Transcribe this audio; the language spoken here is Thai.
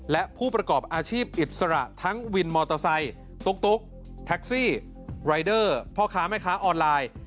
และผู้ประกอบอาชีพอิสระทั้งวินมอเตอร์ไซค์ตุ๊กแท็กซี่รายเดอร์พ่อค้าแม่ค้าออนไลน์